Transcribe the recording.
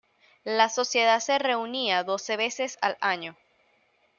La Sociedad se reunía doce veces al año.